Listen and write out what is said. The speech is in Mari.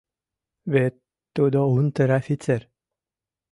Вет тудо унтер-офицер.